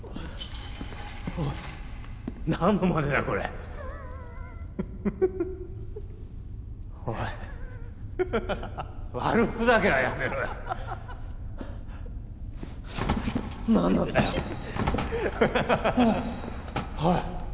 おい何のまねだよこれおい悪ふざけはやめろよ何なんだよおい